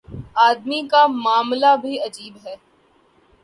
آدمی کا معاملہ بھی عجیب ہے۔